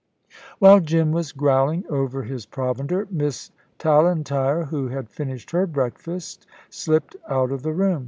While Jim was growling over his provender, Miss Tallentire, who had finished her breakfast, slipped out of the room.